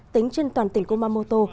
tính trên toàn tỉnh kumamoto